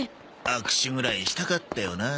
握手ぐらいしたかったよなあ。